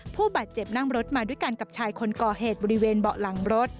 ผู้บาดเจ็บนั่งรถมาด้วยกันกับชายคนก่อเหตุบริเวณเบาะหลังรถ